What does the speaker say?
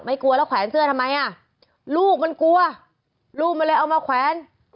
กลัวแล้วแขวนเสื้อทำไมอ่ะลูกมันกลัวลูกมันเลยเอามาแขวน